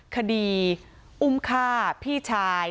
คดีอุ้มฆ่าพี่ชาย